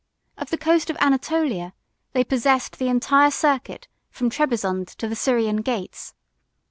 Of the coast of Anatolia, they possessed the entire circuit from Trebizond to the Syrian gates.